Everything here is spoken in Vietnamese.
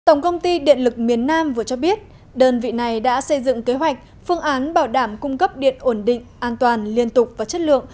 tổng công ty điện lực miền nam vừa cho biết đơn vị này đã xây dựng kế hoạch phương án bảo đảm cung cấp điện ổn định an toàn liên tục và chất lượng